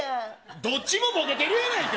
どっちもボケてるやないか。